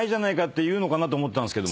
言うのかなと思ったんですけども。